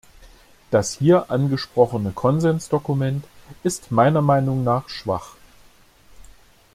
Das hier angesprochene Konsensdokument ist meiner Meinung nach schwach.